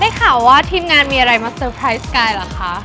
ข่าวว่าทีมงานมีอะไรมาเตอร์ไพรสกายเหรอคะ